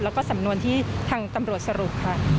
แล้วก็สำนวนที่ทางตำรวจสรุปค่ะ